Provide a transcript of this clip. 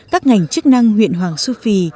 các ngành chức năng huyện hoàng su phi